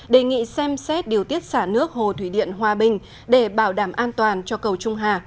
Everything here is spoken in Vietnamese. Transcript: đề nghị xem xét điều tiết xả nước hồ thủy điện hòa bình để bảo đảm an toàn cho cầu trung hà